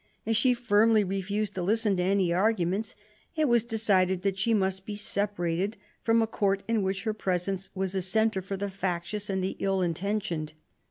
As she firmly refused to listen to any arguments, it was decided that she must be separated from a Court in which her presence was a centre for the factious and the ill intentioned.